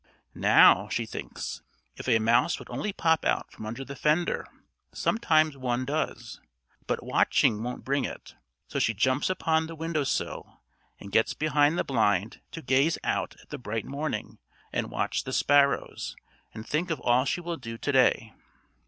"Now," she thinks, "if a mouse would only pop out from under the fender; sometimes one does." But watching won't bring it; so she jumps upon the window sill, and gets behind the blind to gaze out at the bright morning, and watch the sparrows, and think of all she will do to day.